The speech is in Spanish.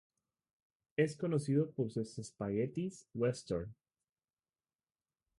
Es conocido por sus spaghetti western.